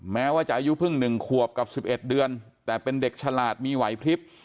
แม้ว่าจะอายุเพิ่ง๑ขวบกับ๑๑เดือนแต่เป็นเด็กฉลาดมีไหวพลิบ